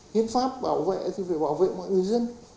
hiến pháp bảo vệ thì phải bảo vệ mọi người dân